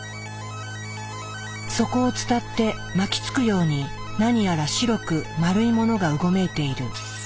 そこを伝って巻きつくように何やら白く丸いものがうごめいている。